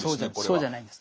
そうじゃないんです。